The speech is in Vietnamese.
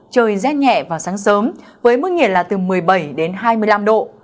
trời rét nhẹ vào sáng sớm với mức nhiệt là từ một mươi bảy đến hai mươi năm độ